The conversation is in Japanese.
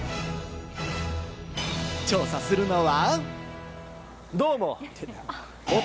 調査するのは。